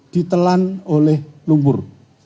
ditelan oleh lumpur